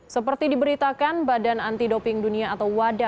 seperti diberitakan badan anti doping dunia atau wada